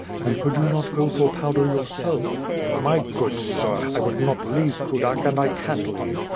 And could you not go for powder yourself?" "My good sir, I would not leave Kudak and I can't leave.